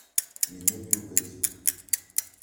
Yenna-d Yuba azul.